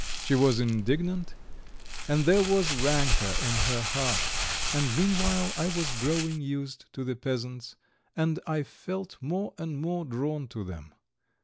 She was indignant, and there was rancour in her heart, and meanwhile I was growing used to the peasants, and I felt more and more drawn to them.